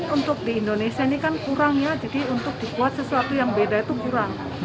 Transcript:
untuk di indonesia ini kan kurang ya jadi untuk dibuat sesuatu yang beda itu kurang